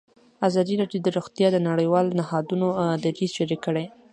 ازادي راډیو د روغتیا د نړیوالو نهادونو دریځ شریک کړی.